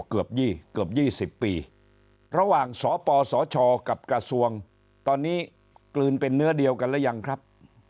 เกือบ๒๐ปีระหว่างสปสชกับกระทรวงตอนนี้กลืนเป็นเนื้อเดียวกันหรือยังครับ